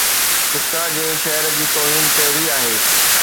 فقه جي شهر جي توهين ڪهڙي آهي؟